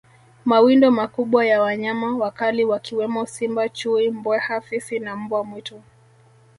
Mawindo makubwa ya wanyama wakali wakiwemo Simba Chui Mbweha Fisi na Mbwa mwitu